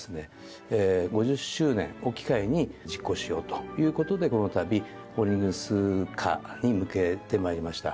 ５０周年を機会に実行しようということでこのたびホールディングス化に向けてまいりました。